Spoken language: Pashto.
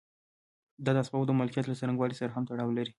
دا د اسبابو د مالکیت له څرنګوالي سره هم تړاو لري.